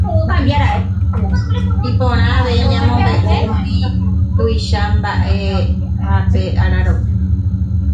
Iporã avei ñamombe'umi tuicha mba'eha pe araro'y